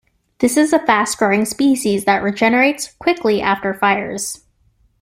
This is a fast-growing species that regenerates quickly after fires.